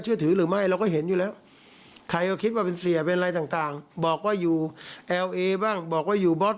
จะไปเรียกฆ่าเสียหาย๒๐๐ล้าน๕๐๐ห้าน